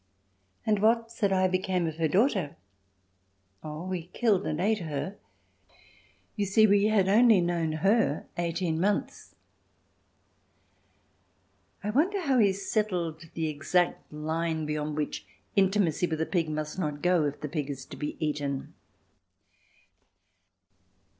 "And what," said I, "became of her daughter?" "Oh, we killed her and ate her. You see we had only known her eighteen months." I wonder how he settled the exact line beyond which intimacy with a pig must not go if the pig is to be eaten.